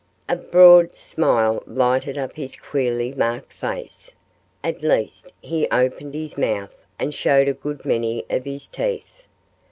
A broad smile lighted up his queerly marked face. At least, he opened his mouth and showed a good many of his teeth.